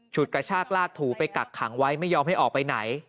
กระชากลากถูไปกักขังไว้ไม่ยอมให้ออกไปไหน